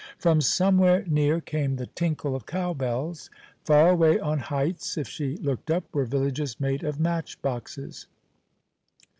From somewhere near came the tinkle of cow bells. Far away on heights, if she looked up, were villages made of match boxes.